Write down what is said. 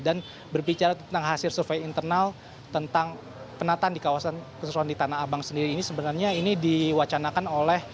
dan berbicara tentang hasil survei internal tentang penataan di kawasan keseluruhan di tanah abang sendiri ini sebenarnya ini diwacandakan